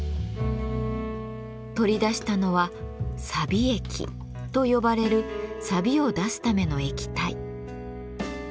取り出したのはさび液と呼ばれるさびを出すための液体。